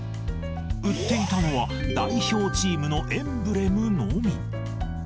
売っていたのは代表チームのエンブレムのみ。